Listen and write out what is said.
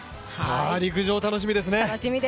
陸上、楽しみですね。